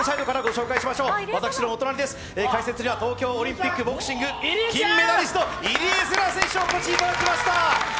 私のお隣です、東京オリンピックボクシング金メダリスト、入江聖奈選手にお越しいただきました。